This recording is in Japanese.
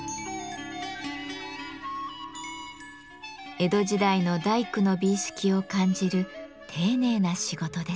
江戸時代の大工の美意識を感じる丁寧な仕事です。